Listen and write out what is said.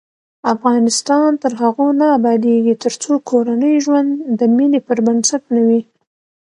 افغانستان تر هغو نه ابادیږي، ترڅو کورنی ژوند د مینې پر بنسټ نه وي.